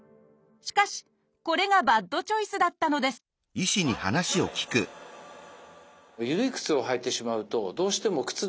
しかしこれがバッドチョイスだったのですバッドチョイス！